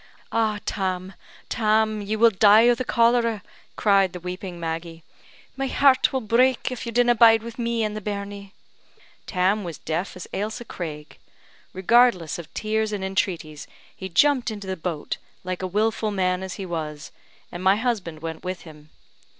"Ah, Tam! Tam! ye will die o' the cholera," cried the weeping Maggie. "My heart will brak if ye dinna bide wi' me an' the bairnie." Tam was deaf as Ailsa Craig. Regardless of tears and entreaties, he jumped into the boat, like a wilful man as he was, and my husband went with him.